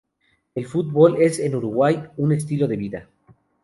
El fútbol es en Uruguay un estilo de vida.